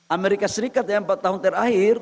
amerika serikat ya empat tahun terakhir